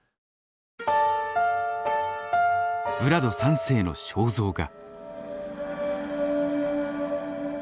ヴラド３世の肖像画。